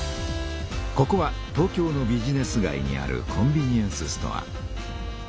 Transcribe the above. ここは東京のビジネス街にあるコンビニエンスストア。